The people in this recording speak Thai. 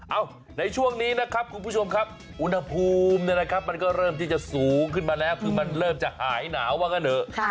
ในช่วงนี้นะครับคุณผู้ชมครับอุณหภูมิมันก็เริ่มที่จะสูงขึ้นมาแล้วคือมันเริ่มจะหายหนาวว่างั้นเถอะ